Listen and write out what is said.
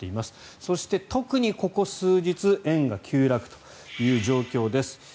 そして、特にここ数日円が急落という状況です。